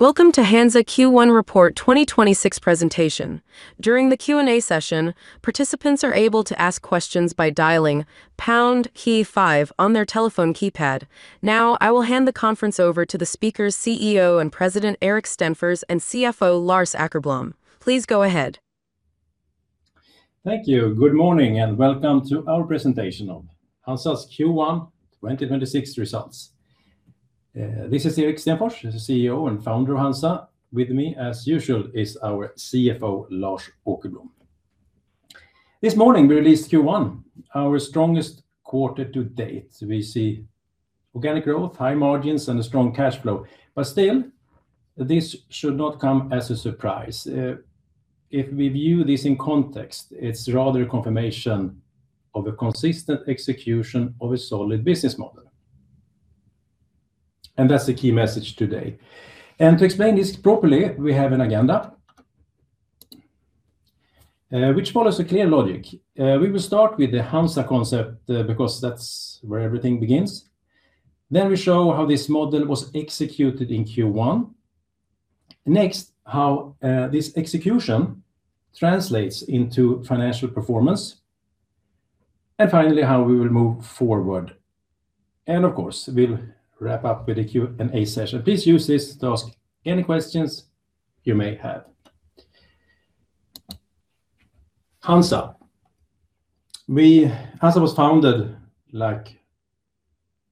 Welcome to HANZA Q1 Report 2026 presentation. During the Q&A session, participants are able to ask questions by dialing pound key five on their telephone keypad. I will hand the conference over to the speakers, CEO and President, Erik Stenfors, and CFO, Lars Åkerblom. Please go ahead. Thank you. Good morning, and welcome to our presentation of HANZA's Q1 2026 results. This is Erik Stenfors, the CEO and founder of HANZA. With me, as usual, is our CFO, Lars Åkerblom. This morning, we released Q1, our strongest quarter to date. We see organic growth, high margins, and a strong cash flow. Still, this should not come as a surprise. If we view this in context, it's rather a confirmation of a consistent execution of a solid business model. That's the key message today. To explain this properly, we have an agenda, which follows a clear logic. We will start with the HANZA concept, because that's where everything begins. We show how this model was executed in Q1. Next, how this execution translates into financial performance, and finally, how we will move forward. Of course, we'll wrap up with a Q&A session. Please use this to ask any questions you may have. HANZA. HANZA was founded, like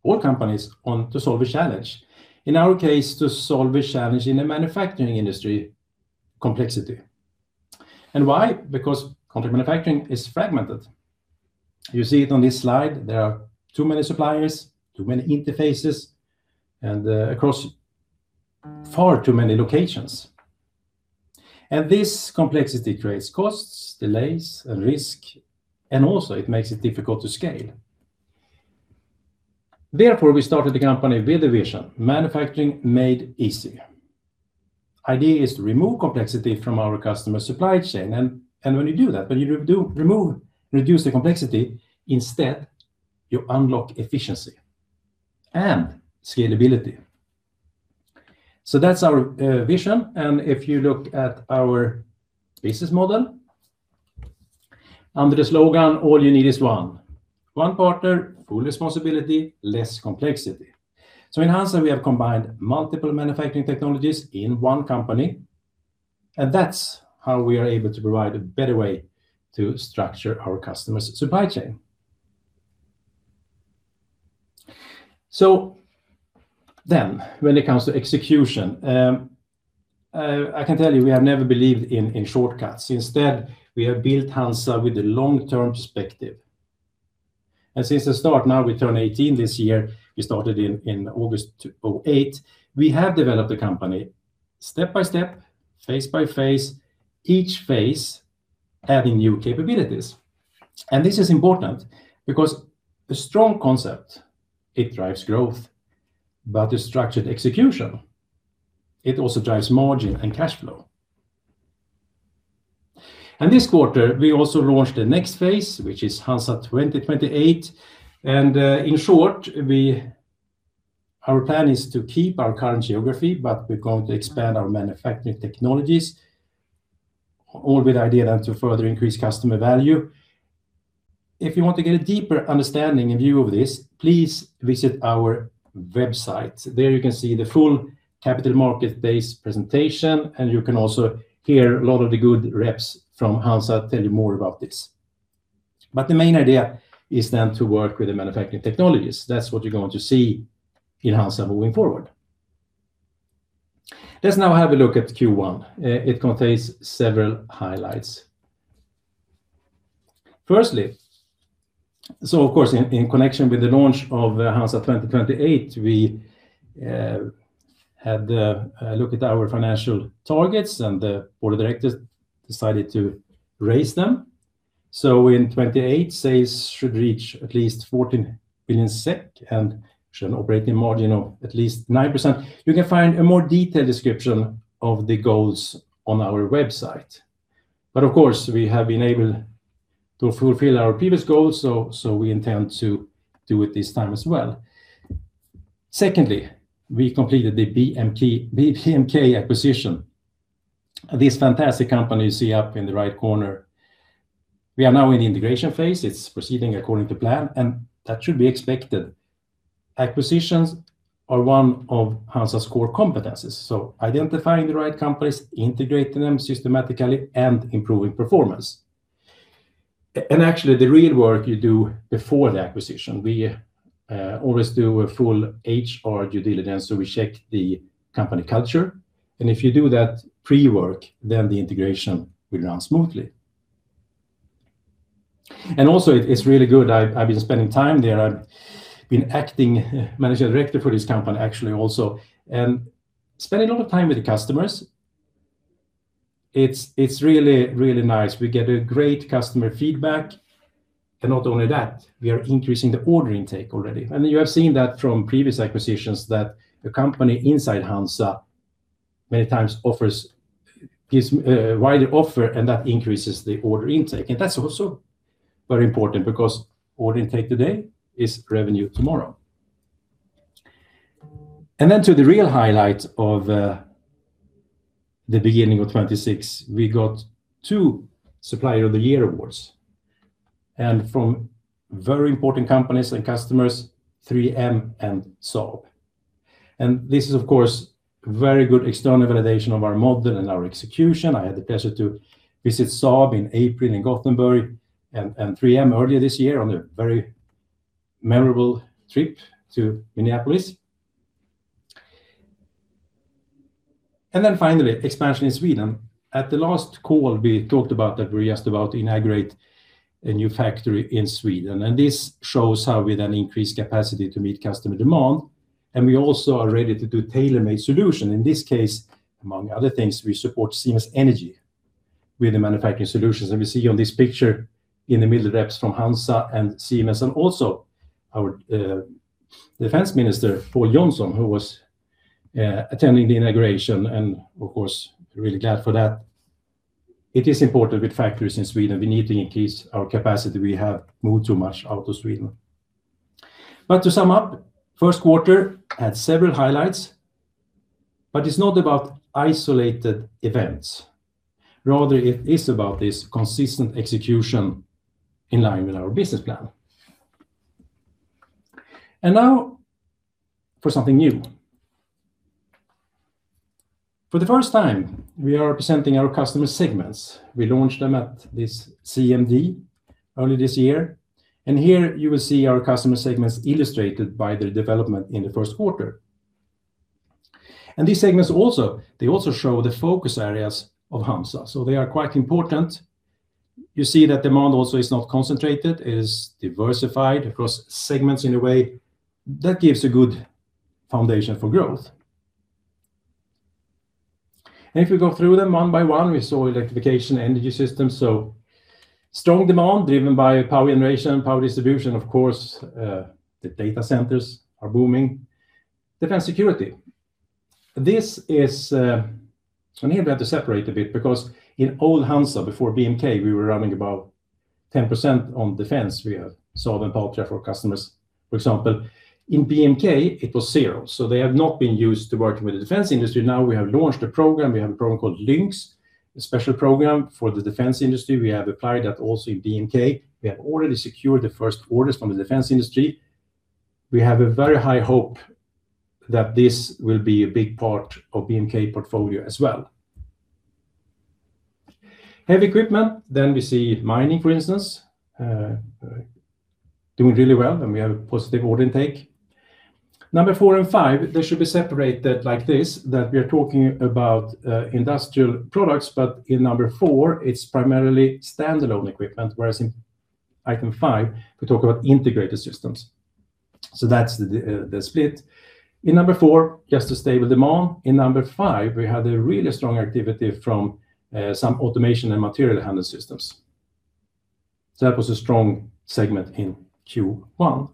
all companies, to solve a challenge. In our case, to solve a challenge in the manufacturing industry, complexity. Why? Because contract manufacturing is fragmented. You see it on this slide. There are too many suppliers, too many interfaces, and across far too many locations. This complexity creates costs, delays, and risk, and also it makes it difficult to scale. Therefore, we started the company with a vision, manufacturing made easy. Idea is to remove complexity from our customer supply chain and when you do that, when you reduce the complexity, instead, you unlock efficiency and scalability. That's our vision, and if you look at our business model, under the slogan, all you need is one partner, full responsibility, less complexity. In HANZA, we have combined multiple manufacturing technologies in one company, and that's how we are able to provide a better way to structure our customer's supply chain. When it comes to execution, I can tell you, we have never believed in shortcuts. Instead, we have built HANZA with a long-term perspective. Since the start, now we turn 18 this year, we started in August 2008, we have developed the company step by step, phase by phase, each phase adding new capabilities. This is important because a strong concept, it drives growth, but a structured execution, it also drives margin and cash flow. This quarter, we also launched the next phase, which is HANZA 2028. In short, our plan is to keep our current geography, but we're going to expand our manufacturing technologies, all with the idea then to further increase customer value. If you want to get a deeper understanding and view of this, please visit our website. There you can see the full capital market-based presentation, and you can also hear a lot of the good reps from HANZA tell you more about this. The main idea is then to work with the manufacturing technologies. That's what you're going to see in HANZA moving forward. Let's now have a look at Q1. It contains several highlights. Firstly, of course, in connection with the launch of HANZA 2028, we had a look at our financial targets and the Board of Directors decided to raise them. In 2028, sales should reach at least 14 billion SEK and show an operating margin of at least 9%. You can find a more detailed description of the goals on our website. Of course, we have been able to fulfill our previous goals, so we intend to do it this time as well. Secondly, we completed the BMK acquisition. This fantastic company you see up in the right corner. It's proceeding according to plan, and that should be expected. Acquisitions are one of HANZA's core competencies, so identifying the right companies, integrating them systematically, and improving performance. Actually, the real work you do before the acquisition. We always do a full HR due diligence, so we check the company culture. If you do that pre-work, then the integration will run smoothly. Also, it's really good. I've been spending time there. I've been acting manager director for this company, actually, also. Spending a lot of time with the customers, it's really, really nice. We get a great customer feedback. Not only that, we are increasing the order intake already. You have seen that from previous acquisitions that the company inside HANZA many times gives a wider offer, and that increases the order intake. That's also very important because order intake today is revenue tomorrow. Then to the real highlight of the beginning of 2026, we got two Supplier of the Year awards, from very important companies and customers, 3M and Saab. This is, of course, very good external validation of our model and our execution. I had the pleasure to visit Saab in April in Gothenburg and 3M earlier this year on a very memorable trip to Minneapolis. Then finally, expansion in Sweden. At the last call, we talked about that we're just about to inaugurate a new factory in Sweden, this shows how we then increase capacity to meet customer demand, we also are ready to do tailor-made solution. In this case, among other things, we support Siemens Energy with the manufacturing solutions. We see on this picture in the middle reps from HANZA and Siemens, and also our defense minister, Pål Jonson, who was attending the integration and of course, really glad for that. It is important with factories in Sweden. We need to increase our capacity. We have moved too much out of Sweden. To sum up, first quarter had several highlights, but it's not about isolated events. Rather, it is about this consistent execution in line with our business plan. Now for something new. For the first time, we are presenting our customer segments. We launched them at this CMD earlier this year, and here you will see our customer segments illustrated by their development in the first quarter. These segments also show the focus areas of HANZA, so they are quite important. You see that demand also is not concentrated. It is diversified across segments in a way that gives a good foundation for growth. If we go through them one by one, we saw electrification energy systems, strong demand driven by power generation, power distribution, of course, the data centers are booming. Defense security. This is. Here we have to separate a bit because in old HANZA, before BMK, we were running about 10% on defense. We have Saab and Patria for customers, for example. In BMK, it was zero, so they have not been used to working with the defense industry. Now we have launched a program. We have a program called LYNX, a special program for the defense industry. We have applied that also in BMK. We have already secured the first orders from the defense industry. We have a very high hope that this will be a big part of BMK portfolio as well. Heavy equipment, then we see mining, for instance, doing really well, and we have a positive order intake. Number four and five, they should be separated like this, that we are talking about industrial products, but in number four it's primarily standalone equipment, whereas in item five, we talk about integrated systems. That's the split. In number four, just a stable demand. In number five, we had a really strong activity from some automation and material handling systems. That was a strong segment in Q1.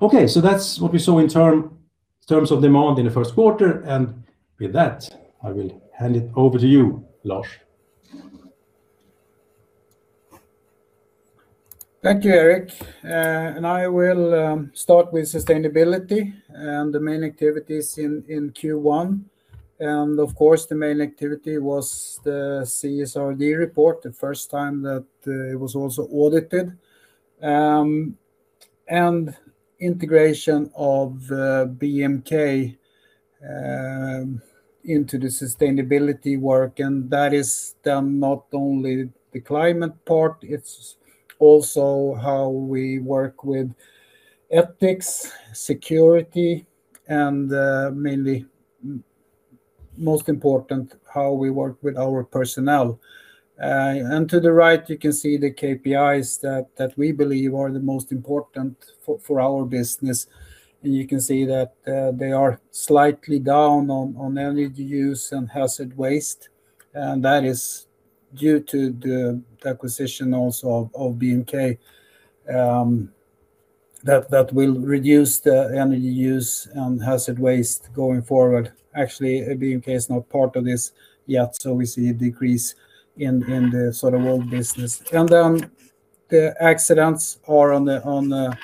That's what we saw in terms of demand in the first quarter, and with that, I will hand it over to you, Lars. Thank you, Erik. I will start with sustainability and the main activities in Q1. Of course, the main activity was the CSRD report, the first time that it was also audited. Integration of BMK into the sustainability work, and that is then not only the climate part, it's also how we work with ethics, security, and mainly, most important, how we work with our personnel. To the right, you can see the KPIs that we believe are the most important for our business. You can see that they are slightly down on energy use and hazard waste, and that is due to the acquisition also of BMK that will reduce the energy use and hazard waste going forward. Actually, BMK is not part of this yet, we see a decrease in the sort of whole business. The accidents are on the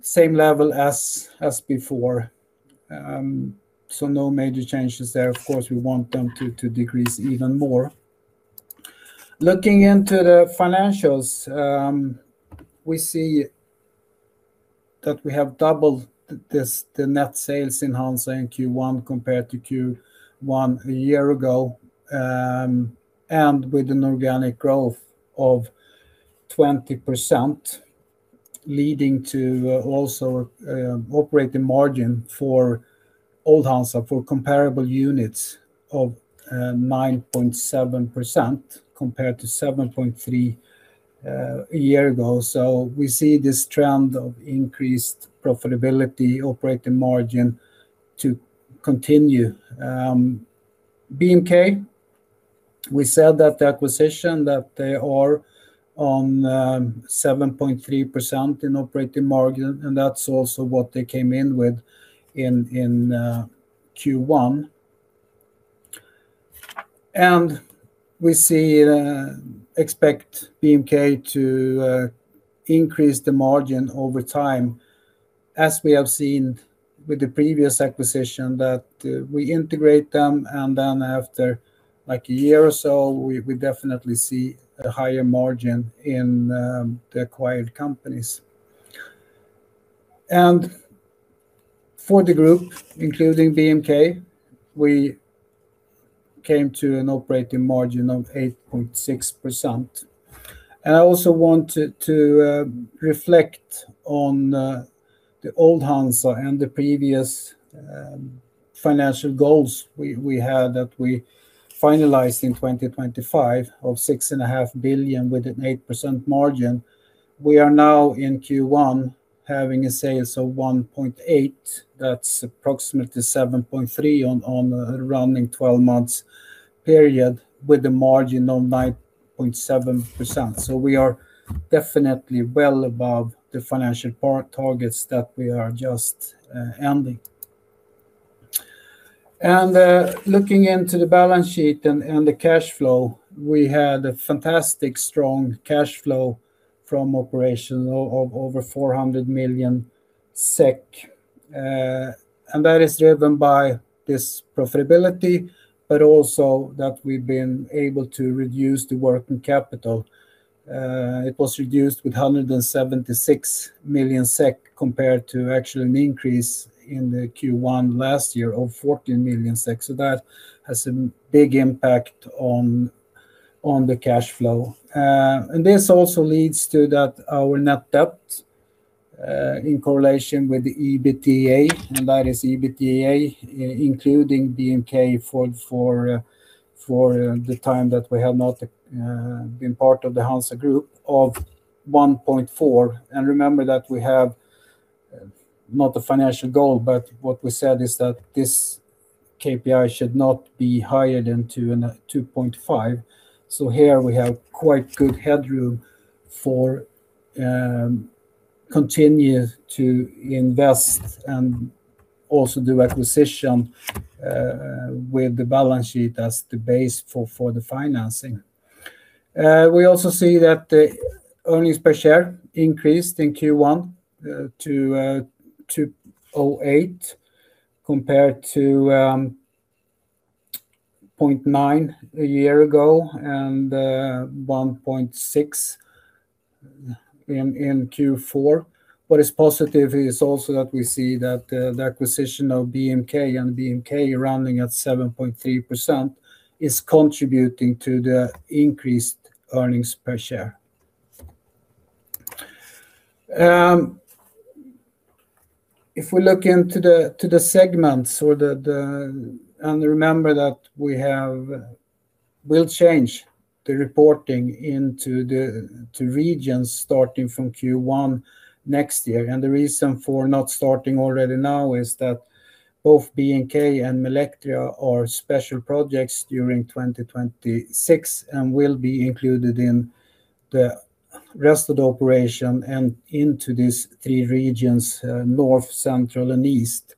same level as before. No major changes there. Of course, we want them to decrease even more. Looking into the financials, we see that we have doubled the net sales in HANZA in Q1 compared to Q1 a year ago, with an organic growth of 20%, leading to also operating margin for old HANZA for comparable units of 9.7% compared to 7.3% a year ago. We see this trend of increased profitability, operating margin to continue. BMK, we said that the acquisition that they are on, 7.3% in operating margin, that's also what they came in with in Q1. We see, expect BMK to increase the margin over time, as we have seen with the previous acquisition that we integrate them and then after like a year or so, we definitely see a higher margin in the acquired companies. For the group, including BMK, we came to an operating margin of 8.6%. I also wanted to reflect on the old HANZA and the previous financial goals we had that we finalized in 2025 of 6.5 billion with an 8% margin. We are now in Q1 having a sales of 1.8%, that's approximately 7.3% on a running 12 months period with a margin of 9.7%. We are definitely well above the financial targets that we are just ending. Looking into the balance sheet and the cash flow, we had a fantastic strong cash flow from operation of over 400 million SEK, that is driven by this profitability, but also that we've been able to reduce the working capital. It was reduced with 176 million SEK compared to actually an increase in the Q1 last year of 14 million SEK. That has a big impact on the cash flow. This also leads to that our net debt in correlation with the EBITDA, and that is EBITDA including BMK for the time that we have not been part of the HANZA Group of 1.4. Remember that we have not a financial goal, but what we said is that this KPI should not be higher than 2.5%. Here we have quite good headroom for continue to invest and also do acquisition with the balance sheet as the base for the financing. We also see that the earnings per share increased in Q1 to 0.8 compared to 0.9 a year ago and 1.6 in Q4. What is positive is also that we see that the acquisition of BMK and BMK running at 7.3% is contributing to the increased earnings per share. If we look into the segments or the regions, remember that we have, we'll change the reporting into regions starting from Q1 next year. The reason for not starting already now is that both BMK and Milectria are special projects during 2026 and will be included in the rest of the operation and into these three regions, North, Central, and East,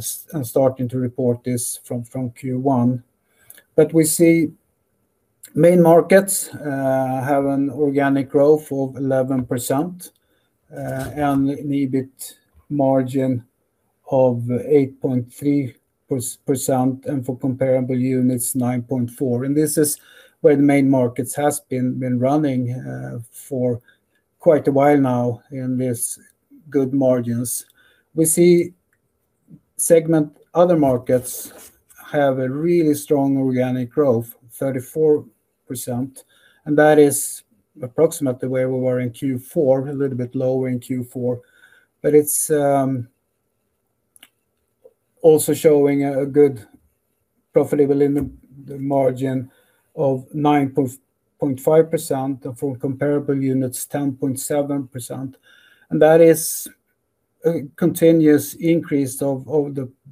starting to report this from Q1. We see Main Markets have an organic growth of 11% and an EBIT margin of 8.3%, and for comparable units, 9.4%. This is where the Main Markets has been running for quite a while now in this good margins. We see segment Other Markets have a really strong organic growth, 34%, and that is approximately where we were in Q4, a little bit lower in Q4. It's also showing a good profitability in the margin of 9.5%, and for comparable units, 10.7%. That is a continuous increase of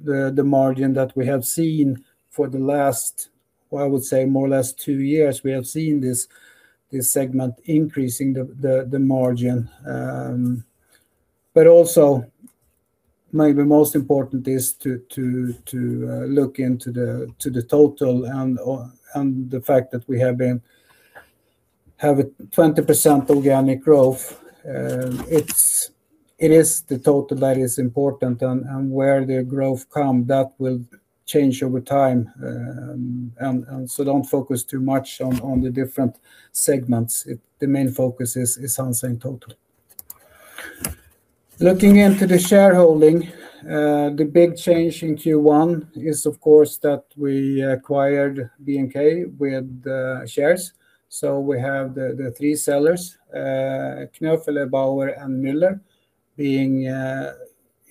the margin that we have seen for the last, I would say more or less two years, we have seen this segment increasing the margin. Also maybe most important is to look into the total and the fact that we have a 20% organic growth. It is the total that is important and where the growth come, that will change over time. So don't focus too much on the different segments. The main focus is on saying total. Looking into the shareholding, the big change in Q1 is, of course, that we acquired BMK with the shares. So, we have the three sellers, Knöfl, Bauer and Müller being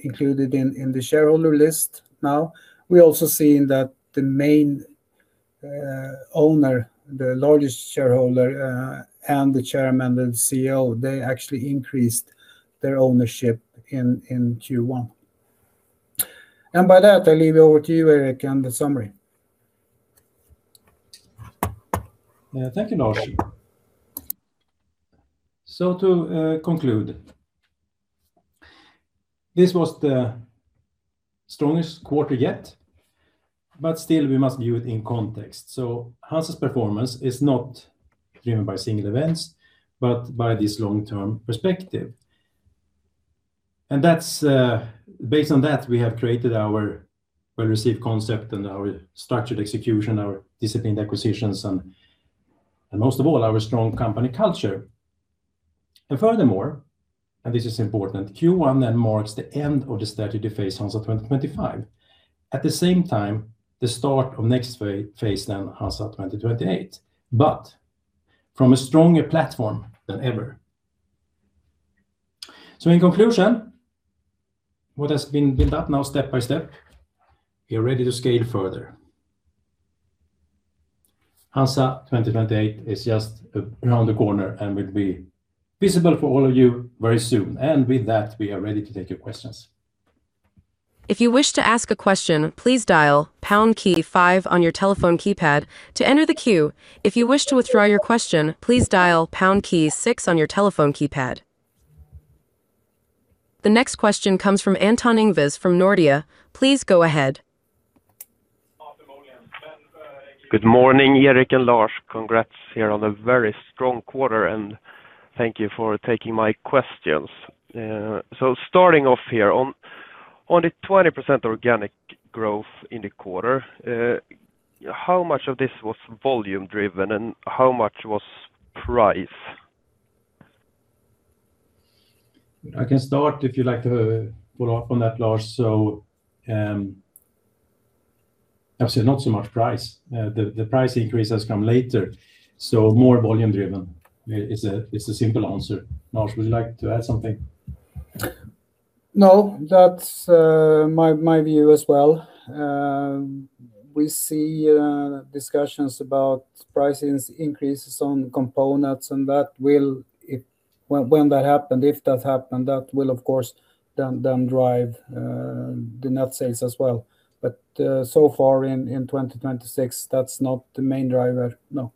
included in the shareholder list now. We also seen that the main owner, the largest shareholder, and the chairman and CEO, they actually increased their ownership in Q1. By that, I leave it over to you, Erik, and the summary. Yeah. Thank you, Lars. To conclude, this was the strongest quarter yet, but still we must view it in context. HANZA's performance is not driven by single events, but by this long-term perspective. That's based on that, we have created our well-received concept and our structured execution, our disciplined acquisitions, and most of all, our strong company culture. Furthermore, this is important, Q1 then marks the end of the strategy phase HANZA 2025. At the same time, the start of next phase then HANZA 2028, but from a stronger platform than ever. In conclusion, what has been built up now step by step, we are ready to scale further. HANZA 2028 is just around the corner and will be visible for all of you very soon. With that, we are ready to take your questions. The next question comes from Anton Ingves from Nordea. Please go ahead. Good morning, Erik and Lars. Congrats here on a very strong quarter, and thank you for taking my questions. Starting off here, on the 20% organic growth in the quarter, how much of this was volume driven and how much was price? I can start if you'd like to follow up on that, Lars. Obviously not so much price. The price increase has come later, so more volume driven is a simple answer. Lars, would you like to add something? No, that's my view as well. We see price increases on components, that will, when that happened, if that happened, that will of course then drive the net sales as well. So far in 2026, that's not the main driver. No.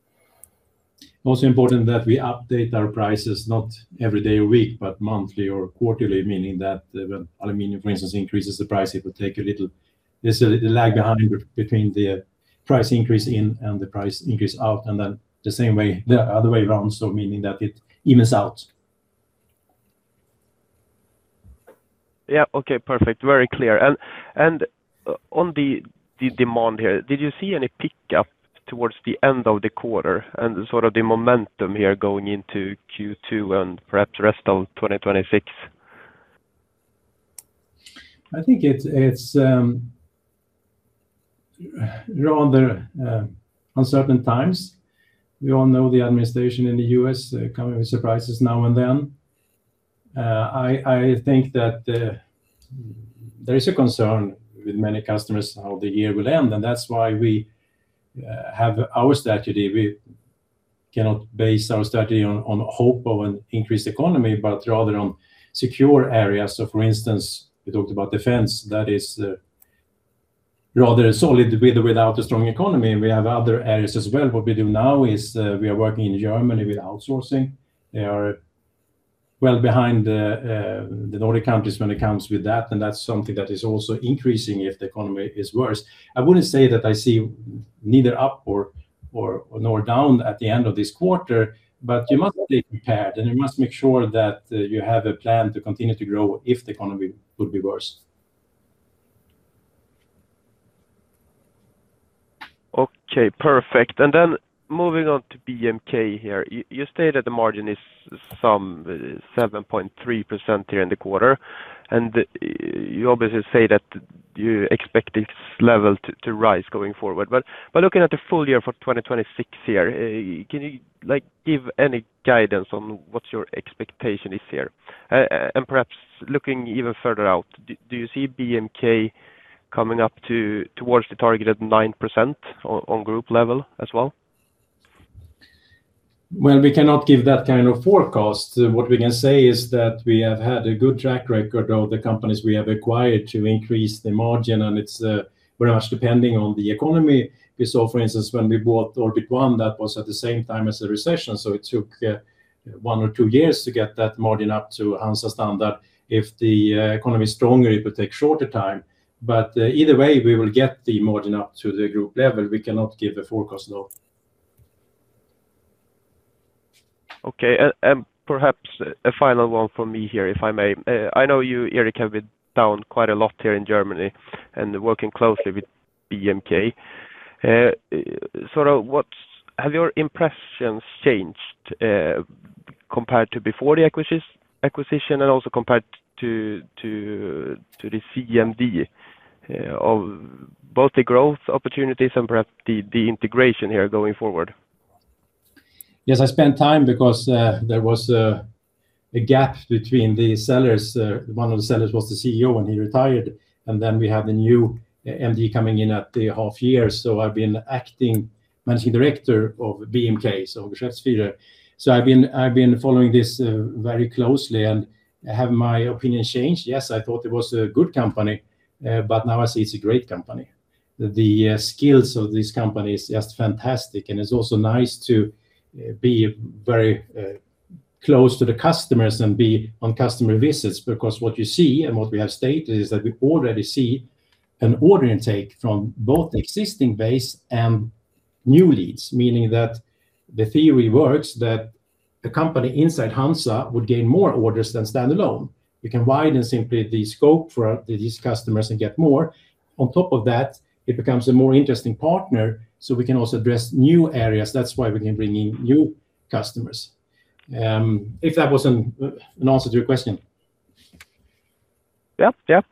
Also important that we update our prices not every day a week, but monthly or quarterly, meaning that when aluminum, for instance, increases the price, there's a lag behind between the price increase in and the price increase out, and then the same way, the other way around, so meaning that it evens out. Yeah. Okay. Perfect. Very clear. On the demand here, did you see any pickup towards the end of the quarter and sort of the momentum here going into Q2 and perhaps the rest of 2026? I think it's rather uncertain times. We all know the administration in the U.S. coming with surprises now and then. I think that there is a concern with many customers how the year will end. That's why we have our strategy. We cannot base our strategy on hope of an increased economy, rather on secure areas. For instance, we talked about defense, that is rather solid with or without a strong economy. We have other areas as well. What we do now is we are working in Germany with outsourcing. They are well behind the Nordic countries when it comes with that. That's something that is also increasing if the economy is worse. I wouldn't say that I see neither up nor down at the end of this quarter, but you must be prepared, and you must make sure that you have a plan to continue to grow if the economy could be worse. Okay. Perfect. Moving on to BMK here. You state that the margin is some 7.3% here in the quarter, and you obviously say that you expect this level to rise going forward. Looking at the full year for 2026 here, can you give any guidance on what your expectation is here? Perhaps looking even further out, do you see BMK coming up towards the target at 9% on group level as well? Well, we cannot give that kind of forecast. What we can say is that we have had a good track record of the companies we have acquired to increase the margin, and it's very much depending on the economy. We saw, for instance, when we bought Orbit One, that was at the same time as the recession, so it took one or two years to get that margin up to HANZA standard. If the economy is stronger, it will take shorter time. Either way, we will get the margin up to the group level. We cannot give a forecast, no. Okay. Perhaps a final one for me here, if I may. I know you, Erik, have been down quite a lot here in Germany and working closely with BMK. Have your impressions changed compared to before the acquisition and also compared to the CMD of both the growth opportunities and perhaps the integration here going forward? Yes, I spent time because there was a gap between the sellers. One of the sellers was the CEO when he retired, and then we have the new MD coming in at the half year. I've been acting managing director of BMK, so I've been following this very closely. Have my opinion changed? Yes, I thought it was a good company, but now I see it's a great company. The skills of this company is just fantastic, and it's also nice to be very close to the customers and be on customer visits because what you see and what we have stated is that we already see an order intake from both existing base and new leads, meaning that the theory works that the company inside HANZA would gain more orders than standalone. We can widen simply the scope for these customers and get more. On top of that, it becomes a more interesting partner, so we can also address new areas. That's why we can bring in new customers. If that was an answer to your question. Yep, yep.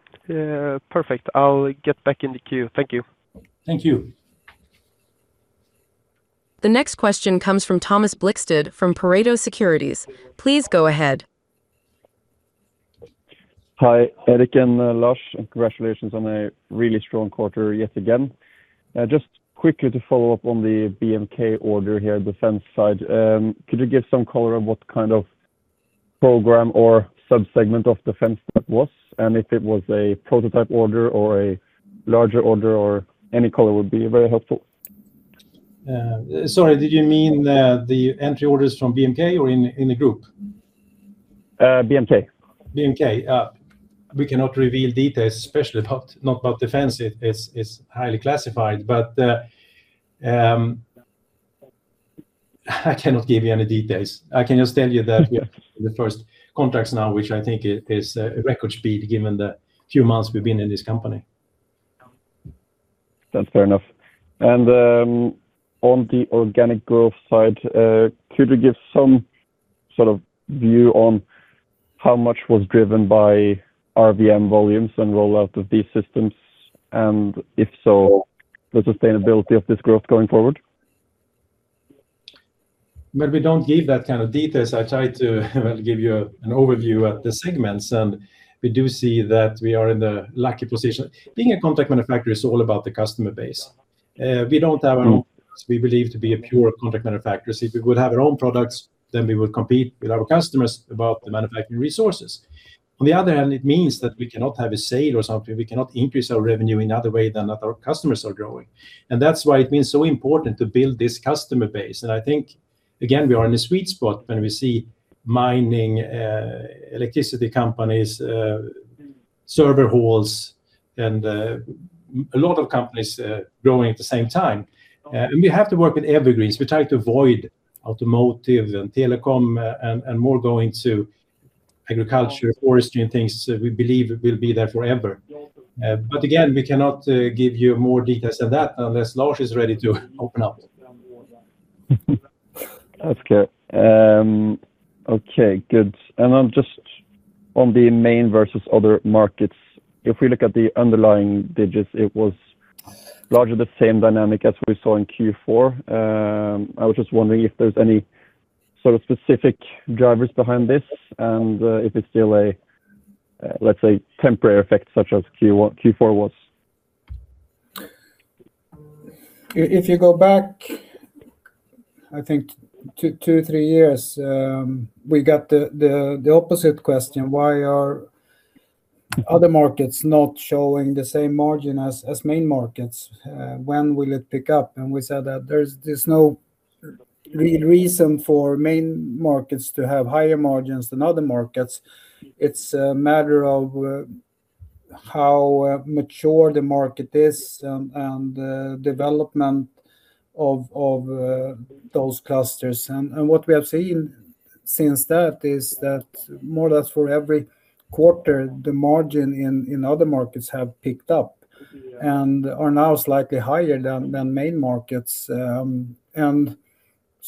Perfect. I'll get back in the queue. Thank you. Thank you. The next question comes from Thomas Blikstad from Pareto Securities. Please go ahead. Hi, Erik and Lars, congratulations on a really strong quarter yet again. Just quickly to follow up on the BMK order here, defense side, could you give some color on what kind of program or sub-segment of defense that was, and if it was a prototype order or a larger order or any color would be very helpful. Sorry, did you mean the entry orders from BMK or in the group? BMK. BMK. We cannot reveal details, especially not about defense. It is highly classified, but I cannot give you any details. I can just tell you that we are in the first contracts now, which I think is a record speed given the few months we've been in this company. That's fair enough. On the organic growth side, could you give some sort of view on how much was driven by RVM volumes and rollout of these systems, and if so, the sustainability of this growth going forward? Well, we don't give that kind of details. I try to give you an overview at the segments. We do see that we are in the lucky position. Being a contract manufacturer is all about the customer base. We don't have our own products. We believe to be a pure contract manufacturer. If we would have our own products, we would compete with our customers about the manufacturing resources. On the other hand, it means that we cannot have a sale or something. We cannot increase our revenue in other way than that our customers are growing. That's why it means so important to build this customer base. I think, again, we are in a sweet spot when we see mining, electricity companies, server halls, and a lot of companies growing at the same time. We have to work with evergreens. We try to avoid automotive and telecom and more going to agriculture, forestry, and things we believe will be there forever. Again, we cannot give you more details than that unless Lars is ready to open up. That's fair. Okay, good. Then just on the Main Markets versus Other Markets, if we look at the underlying digits, it was largely the same dynamic as we saw in Q4. I was just wondering if there's any sort of specific drivers behind this and if it's still a, let's say, temporary effect such as Q4 was. If you go back, I think two, three years, we got the opposite question, "Why are Other Markets not showing the same margin as Main Markets? When will it pick up?" We said that there's no reason for Main Markets to have higher margins than Other Markets. It's a matter of how mature the market is and development of those clusters. What we have seen since that is that more or less for every quarter, the margin in Other Markets have picked up and are now slightly higher than Main Markets.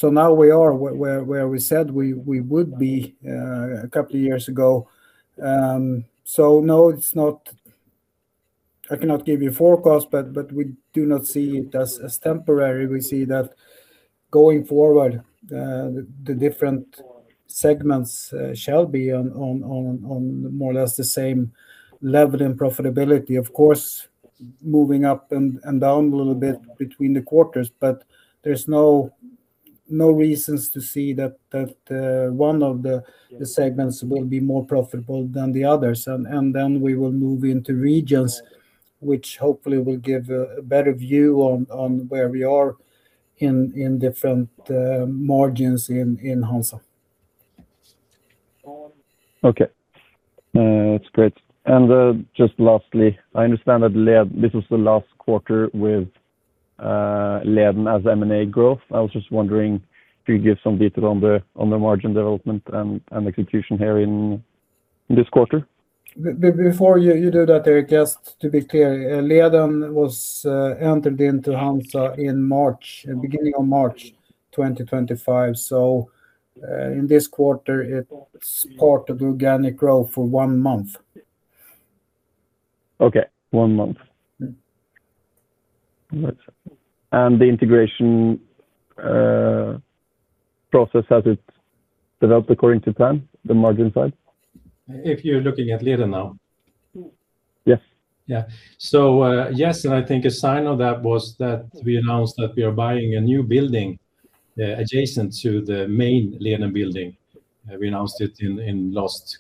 Now we are where we said we would be a couple of years ago. No, it's not. I cannot give you a forecast, but we do not see it as temporary. We see that going forward, the different segments shall be on more or less the same level in profitability. Of course, moving up and down a little bit between the quarters, but there's no reasons to see that one of the segments will be more profitable than the others. Then we will move into regions which hopefully will give a better view on where we are in different margins in HANZA. Okay. that's great. Just lastly, I understand that this was the last quarter with Leden as M&A growth. I was just wondering if you could give some detail on the, on the margin development and execution here in this quarter. Before you do that, Erik, just to be clear, Leden was entered into HANZA in March, in beginning of March 2025. In this quarter, it supported organic growth for 1 month. Okay, one month. Yeah. Gotcha. The integration, process, has it developed according to plan, the margin side? If you're looking at Leden now? Yeah. Yes, and I think a sign of that was that we announced that we are buying a new building adjacent to the main Leden building. We announced it in last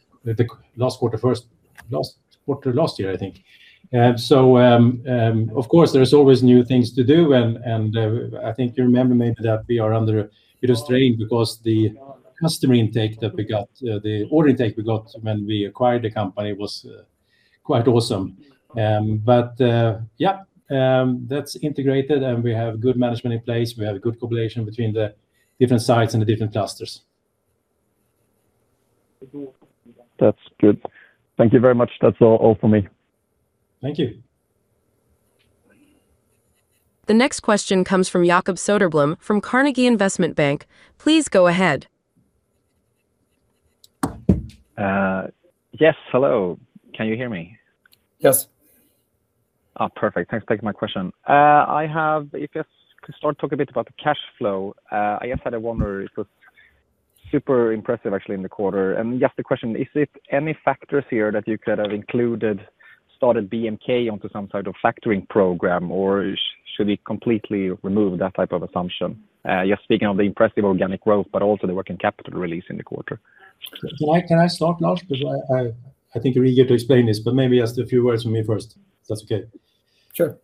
quarter first, last quarter last year, I think. Of course there's always new things to do and I think you remember maybe that we are under a bit of strain because the customer intake that we got, the order intake we got when we acquired the company was quite awesome. That's integrated and we have good management in place. We have good cooperation between the different sites and the different clusters. That's good. Thank you very much. That's all for me. Thank you. The next question comes from Jakob Söderblom from Carnegie Investment Bank. Please go ahead. Yes, hello. Can you hear me? Yes. Oh, perfect. Thanks for taking my question. I have, if you could start talk a bit about the cash flow. I guess I had a wonder, it was super impressive actually in the quarter. Just a question, is it any factors here that you could have included started BMK onto some sort of factoring program, or should we completely remove that type of assumption? Just speaking of the impressive organic growth, but also the working capital release in the quarter. Can I start, Lars? I think you're eager to explain this, but maybe just a few words from me first, if that's okay. Sure.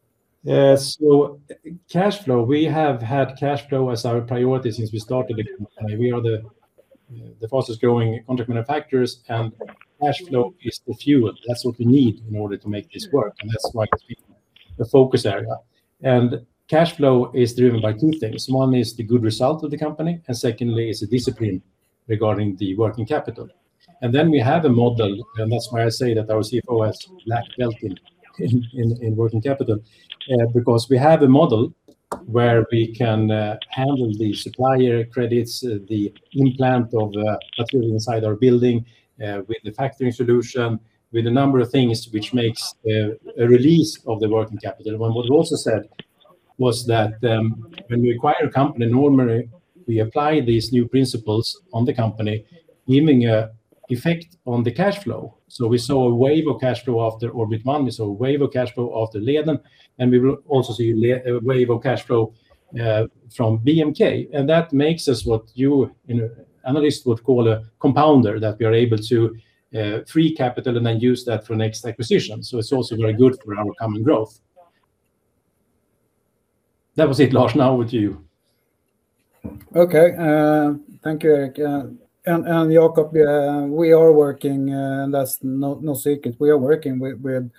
Cash flow, we have had cash flow as our priority since we started the company. We are the fastest growing contract manufacturers, and cash flow is the fuel. That's what we need in order to make this work, and that's why it's been the focus area. Cash flow is driven by two things. One is the good result of the company, and secondly is the discipline regarding the working capital. We have a model, and that's why I say that our CFO has black belt in working capital. Because we have a model where we can handle the supplier credits, the implant of material inside our building, with the factoring solution, with a number of things which makes a release of the working capital. What Lars also said was that, when we acquire a company, normally we apply these new principles on the company, giving a effect on the cash flow. We saw a wave of cash flow after Orbit One, we saw a wave of cash flow after Leden, and we will also see a wave of cash flow from BMK. That makes us what you in a, analyst would call a compounder, that we are able to free capital and then use that for next acquisition. It's also very good for our common growth. That was it, Lars. Now over to you. Okay. Thank you, Erik and Jakob. We are working, that's no secret. We are working with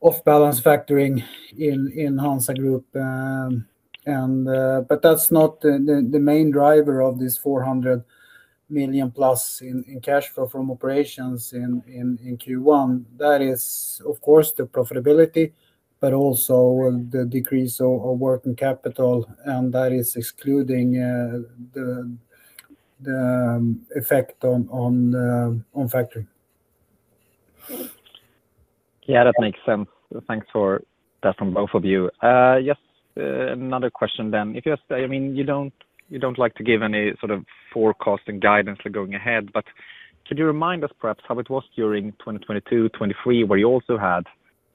off balance factoring in HANZA Group. That's not the main driver of this 400 million+ in cash flow from operations in Q1. That is, of course, the profitability, but also the decrease of working capital, and that is excluding the effect on factoring. That makes sense. Thanks for that from both of you. Just another question then. If you just, I mean, you don't like to give any sort of forecast and guidance for going ahead, could you remind us perhaps how it was during 2022, 2023, where you also had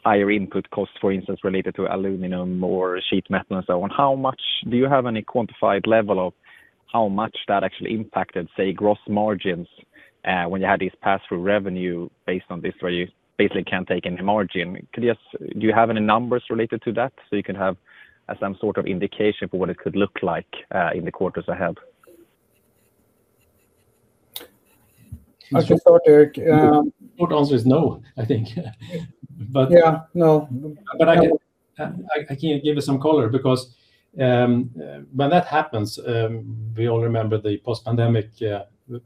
higher input costs, for instance, related to aluminum or sheet metal and so on? How much do you have any quantified level of how much that actually impacted, say, gross margins, when you had these pass-through revenue based on this, where you basically can't take any margin? Do you have any numbers related to that so you can have some sort of indication for what it could look like in the quarters ahead? I can start, Erik. Short answer is no, I think. Yeah, no. I can give you some color because when that happens, we all remember the post-pandemic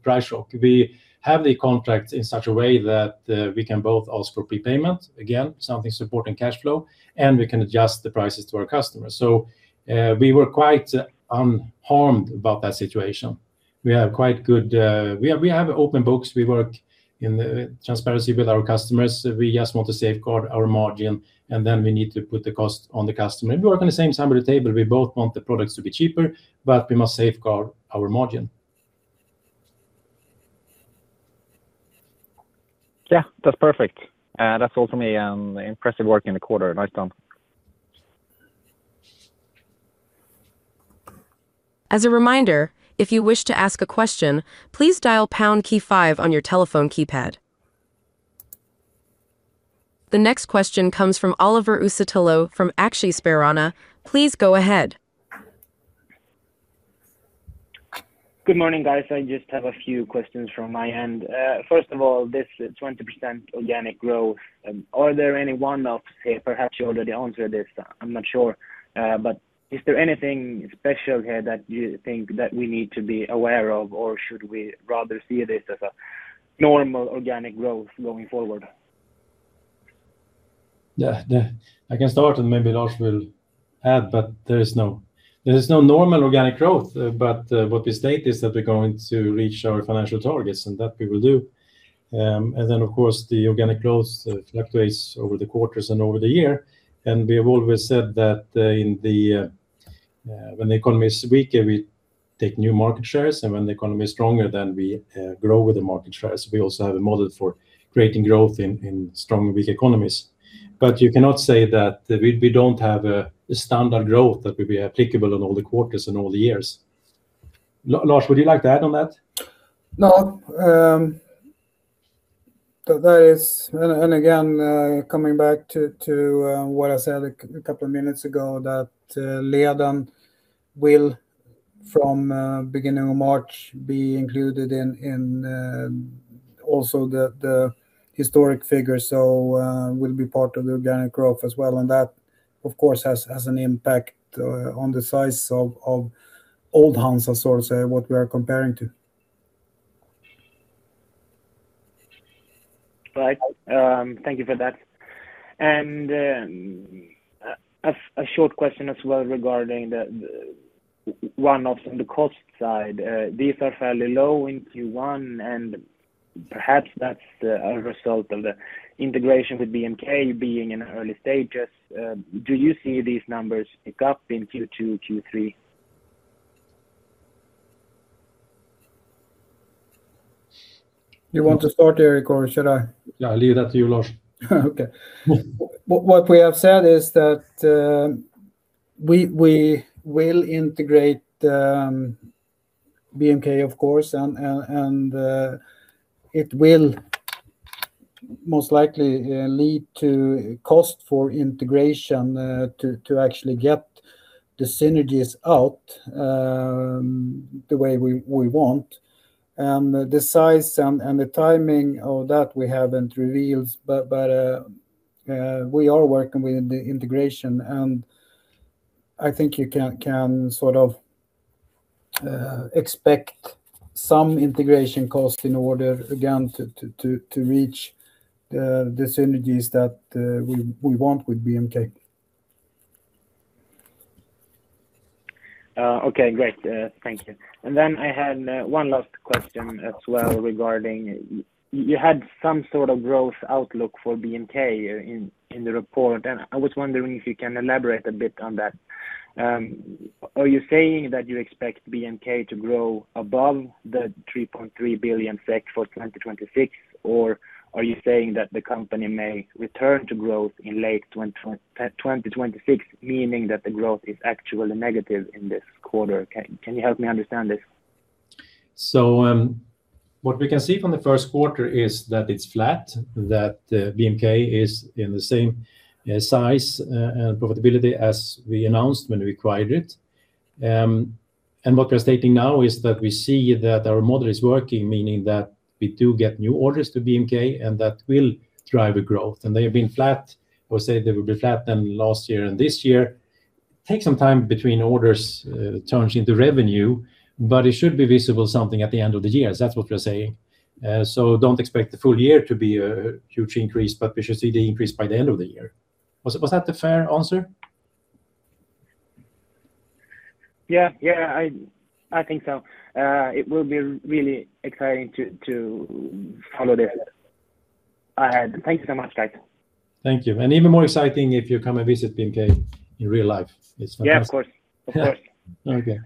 price shock. We have the contract in such a way that we can both ask for prepayment, again, something supporting cash flow, and we can adjust the prices to our customers. We were quite unharmed about that situation. We have quite good, we have open books. We work in the transparency with our customers. We just want to safeguard our margin, and then we need to put the cost on the customer. We work on the same side of the table. We both want the products to be cheaper, but we must safeguard our margin. Yeah. That's perfect. That's all for me, and impressive work in the quarter. Nice done. The next question comes from Oliver Uusitalo from Aktiespararna. Please go ahead. Good morning, guys. I just have a few questions from my end. First of all, this 20% organic growth, are there any one-offs? Perhaps you already answered this, I'm not sure. Is there anything special here that you think that we need to be aware of, or should we rather see this as a normal organic growth going forward? Yeah. Yeah. I can start, and maybe Lars will add, there is no, there is no normal organic growth. What we state is that we're going to reach our financial targets, and that we will do. Then of course, the organic growth fluctuates over the quarters and over the year. We have always said that, in the, when the economy is weaker, we take new market shares, and when the economy is stronger, then we, grow with the market shares. We also have a model for creating growth in strong and weak economies. You cannot say that we don't have a standard growth that will be applicable in all the quarters and all the years. Lars, would you like to add on that? No. That is, and again, coming back to what I said a couple of minutes ago that Leden will from beginning of March be included in also the historic figures, so will be part of the organic growth as well, and that of course has an impact on the size of old HANZA, so to say, what we are comparing to. Right. Thank you for that. A short question as well regarding the one of the cost side. These are fairly low in Q1, and perhaps that's a result of the integration with BMK being in early stages. Do you see these numbers pick up in Q2, Q3? You want to start, Erik, or should I? Yeah, I'll leave that to you, Lars. Okay. What we have said is that we will integrate BMK of course and it will most likely lead to cost for integration to actually get the synergies out the way we want. The size and the timing of that we haven't revealed, but we are working with the integration and I think you can sort of expect some integration cost in order again to reach the synergies that we want with BMK. Okay, great. Thank you. Then I had one last question as well regarding you had some sort of growth outlook for BMK in the report, and I was wondering if you can elaborate a bit on that. Are you saying that you expect BMK to grow above the 3.3 billion SEK for 2026, or are you saying that the company may return to growth in late 2026, meaning that the growth is actually negative in this quarter? Can you help me understand this? What we can see from the first quarter is that it's flat, that BMK is in the same size and profitability as we announced when we acquired it. What we're stating now is that we see that our model is working, meaning that we do get new orders to BMK, and that will drive a growth. They have been flat, or say they will be flat than last year and this year. Take some time between orders, turns into revenue, but it should be visible something at the end of the year. That's what we're saying. Don't expect the full year to be a huge increase, but we should see the increase by the end of the year. Was that a fair answer? Yeah. Yeah, I think so. It will be really exciting to follow this. Thank you so much, guys. Thank you. Even more exciting if you come and visit BMK in real life. It's fantastic. Yeah, of course. Of course. Okay.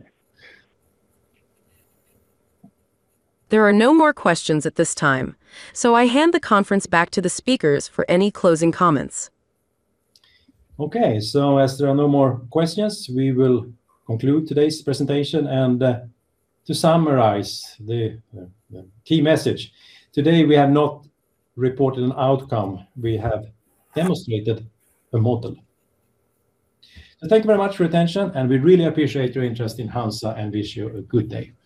There are no more questions at this time. I hand the conference back to the speakers for any closing comments. Okay. As there are no more questions, we will conclude today's presentation. To summarize the key message, today we have not reported an outcome, we have demonstrated a model. Thank you very much for your attention, and we really appreciate your interest in HANZA and wish you a good day.